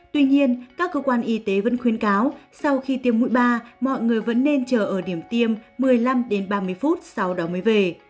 tuy nhiên các cơ quan y tế vẫn khuyến cáo sau khi tiêm mũi ba mọi người vẫn nên chờ ở điểm tiêm một mươi năm đến ba mươi phút sau đó mới về